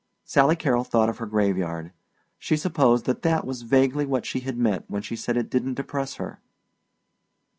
Sally Carrol thought of her graveyard. She supposed that that was vaguely what she had meant when she said it didn't depress her.